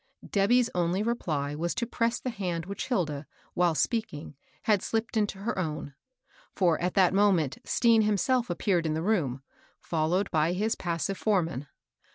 Debby's only reply was to press the hand which Hilda, while speaking, had slipped into her 167 own; for, at that moment, Stean himself ap peared in the room, foflowed by his passive fore man.